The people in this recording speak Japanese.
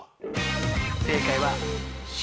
正解はＣ。